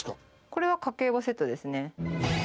これは家計簿セットですね。